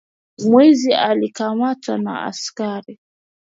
Mwizi alikamatwa na askari.